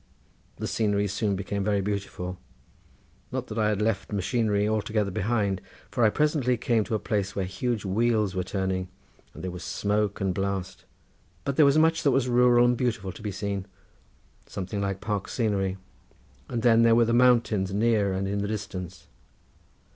The scenery soon became very beautiful; not that I had left machinery altogether behind, for I presently came to a place where huge wheels were turning and there was smoke and blast, but there was much that was rural and beautiful to be seen, something like park scenery, and then there were the mountains near and in the distance.